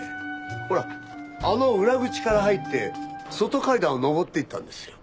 ほらあの裏口から入って外階段を上っていったんですよ。